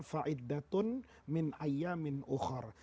fa'iddatun min aya min ukhur